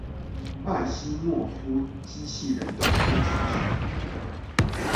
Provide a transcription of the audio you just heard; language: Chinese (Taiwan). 艾西莫夫機器人短篇全集